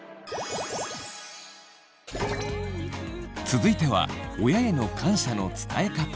続いては親への感謝の伝え方。